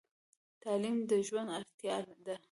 تعلیم د ژوند اړتیا ده.